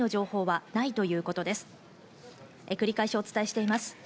繰り返しお伝えしています。